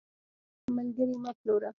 هيچ کله هم ملګري مه پلوره .